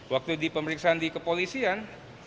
waktu di pemeriksaan di kepolisian